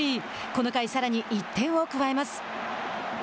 この回、さらに１点を加えます。